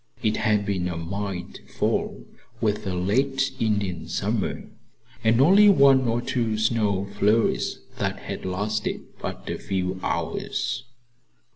It had been a mild fall, with a late Indian summer, and only one or two snow flurries that had lasted but a few hours.